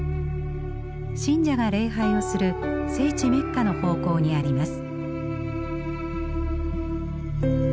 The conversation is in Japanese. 信者が礼拝をする聖地メッカの方向にあります。